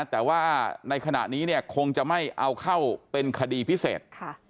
แต่ว่าในขณะนี้เนี่ยคงจะไม่เอาเข้าเป็นคดีพิเศษ